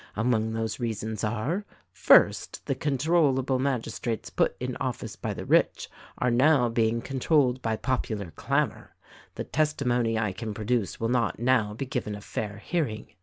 Among those reasons are : First, the controllable magis trates put in office by the rich, are now being controlled bv popular clamor. The testimony I can produce will not now be given a fair hearing.